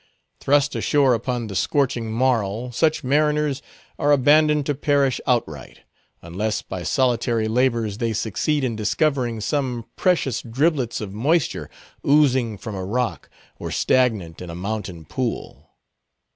Thrust ashore upon the scorching marl, such mariners are abandoned to perish outright, unless by solitary labors they succeed in discovering some precious dribblets of moisture oozing from a rock or stagnant in a mountain pool.